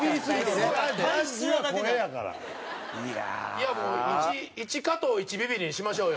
いやもう１加藤１ビビリにしましょうよ。